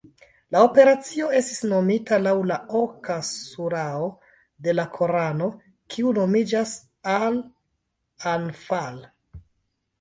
La operacio estis nomita laŭ la oka surao de la korano, kiu nomiĝas "Al-Anfal".